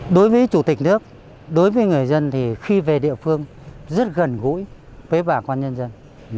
đối với chủ tịch nước đối với người dân thì khi về địa phương rất gần gũi với bà con nhân dân